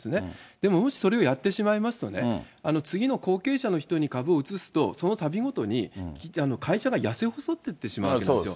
でももしそれをやってしまいますとね、次の後継者の人に株を移すと、そのたびごとに、会社が痩せ細っていってしまうんですよ。